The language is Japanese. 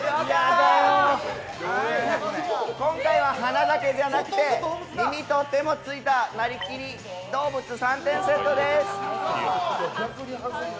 今回は鼻だけじゃなくて、耳と手もついたなりきり動物３点セットです。